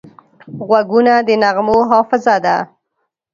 غوږونه د نغمو حافظه ده